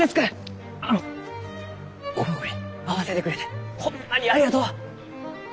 あのこの子に会わせてくれてホンマにありがとう！